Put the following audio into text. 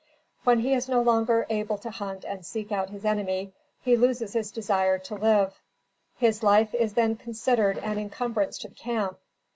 When he is no longer able to hunt and seek out his enemy, he loses his desire to live. His life is then considered an incumbrance to the camp.